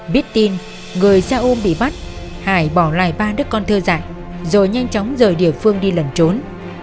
biết tin người xe ôm bị bắt hải bỏ lại ba đứa con thơ dại rồi nhanh chóng rời địa phương đi lẩn trốn